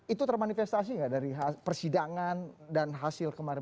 itu termanifestasi nggak dari persidangan dan hasil kemarin